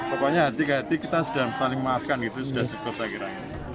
pokoknya hati hati kita sudah saling memaafkan gitu sudah cukup saya kira